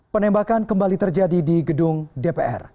penembakan kembali terjadi di gedung dpr